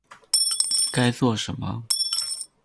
该做什么